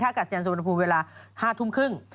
ท่ากัศยานสวนภูมิเวลา๕ทุ่มครึ่ง